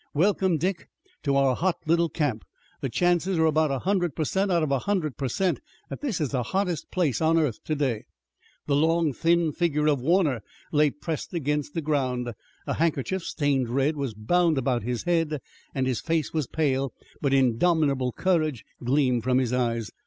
"Welcome, Dick, to our hot little camp! The chances are about a hundred per cent out of a hundred per cent that this is the hottest place on the earth today!" The long, thin figure of Warner lay pressed against the ground. A handkerchief, stained red, was bound about his head and his face was pale, but indomitable courage gleamed from his eyes.